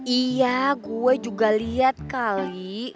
iya gue juga lihat kali